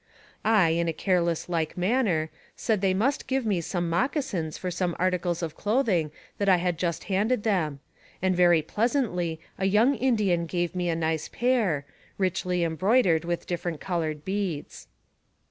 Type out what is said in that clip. I, in a careless like manner, said they must give me some moccasins for some articles of clothing that I had just handed them, and very pleasantly a young Indian gave me a nice pair, richly embroidered with different colored beads.